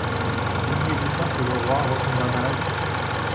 Vouliez-vous pas que le roi retombât malade?